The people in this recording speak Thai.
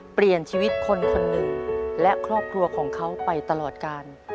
เปลี่ยนชีวิตคนคนหนึ่งและครอบครัวของเขาไปตลอดกาล